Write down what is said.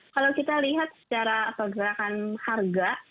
kalau kita lihat secara pergerakan harga